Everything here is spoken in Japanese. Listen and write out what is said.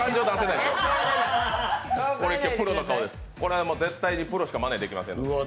プロの顔です、これは絶対プロしかまねできません。